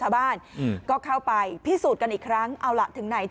หญิงบอกว่าจะเป็นพี่ปวกหญิงบอกว่าจะเป็นพี่ปวก